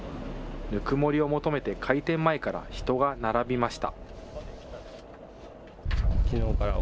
ぬくもりを求めて開店前から人が並びました。